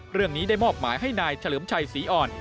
เรื่องนี้ได้มอบหมายให้นายเฉลิมชัยศรีอ่อน